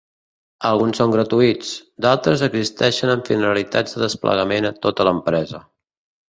Alguns són gratuïts; d'altres existeixen amb finalitats de desplegament a tota l'empresa.